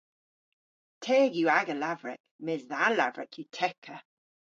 Teg yw aga lavrek mes dha lavrek yw tekka!